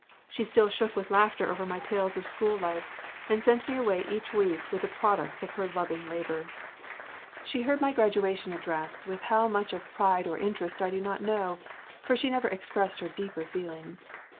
She still shook with laughter over my tales of school life and sent me away each week with the products of her loving labor. She heard my graduation address with how much of pride or interest I do not know, for she never expressed her deeper feelings.